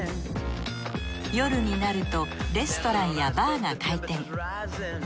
夜になるとレストランやバーが開店